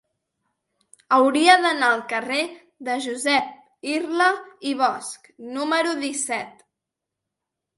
Hauria d'anar al carrer de Josep Irla i Bosch número disset.